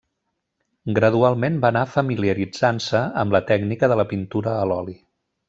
Gradualment va anar familiaritzant-se amb la tècnica de la pintura a l'oli.